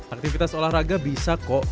aktivitas olahraga bisa kok